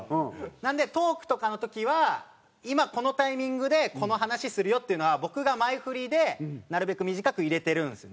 なのでトークとかの時は今このタイミングでこの話するよっていうのは僕が前振りでなるべく短く入れてるんですよ